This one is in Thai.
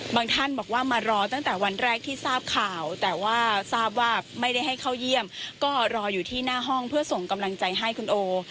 ท่านบอกว่ามารอตั้งแต่วันแรกที่ทราบข่าวแต่ว่าทราบว่าไม่ได้ให้เข้าเยี่ยมก็รออยู่ที่หน้าห้องเพื่อส่งกำลังใจให้คุณโอ